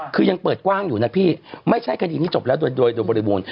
คือยังเปิดกว้างอยู่นะพี่ไม่ใช่คดีนี้จบแล้วโดยบริบูรณ์